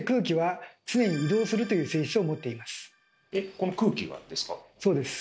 この空気がですか？